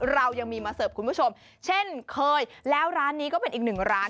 เรายังมีมาเสิร์ฟคุณผู้ชมเช่นเคยแล้วร้านนี้ก็เป็นอีกหนึ่งร้าน